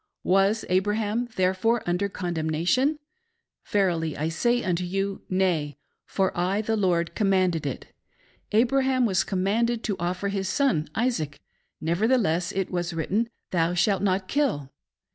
Was Abraham, therefore, under condemnation ? Verily, I say unto you, Nay; for I, the Lord, commanded it. Abraham was commanded to offer his son Isaac ; nevertheless, it was written, Thou shalt not kill.